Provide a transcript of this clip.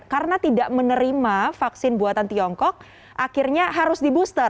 karena tidak menerima vaksin buatan tiongkok akhirnya harus di booster